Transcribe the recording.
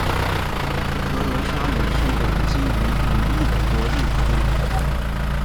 格罗沙语是一种基于语义的国际辅助语。